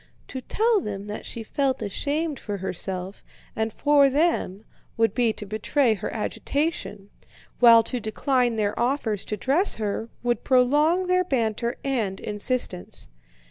To tell them that she felt ashamed for herself and for them would be to betray her agitation, while to decline their offers to dress her would prolong their banter and insistence.